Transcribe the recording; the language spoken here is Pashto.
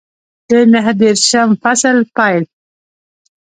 د نهه دېرشم فصل پیل